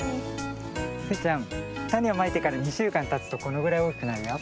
スイちゃんたねをまいてから２しゅうかんたつとこのぐらいおおきくなるよ。